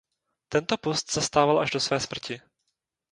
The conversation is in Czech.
Tento post zastával až do své smrti.